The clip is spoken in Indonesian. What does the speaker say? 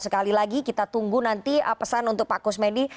sekali lagi kita tunggu nanti pesan untuk pak kusmedi